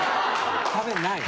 食べない。